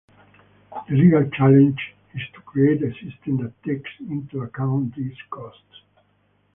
The legal challenge is to create a system that takes into account these costs.